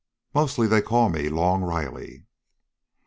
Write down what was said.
Mostly they call me Long Riley."